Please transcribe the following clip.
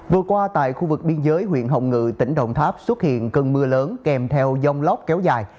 vừa qua tại khu vực biên giới huyện hồng ngự tỉnh đồng tháp xuất hiện cơn mưa lớn kèm theo dông lóc kéo dài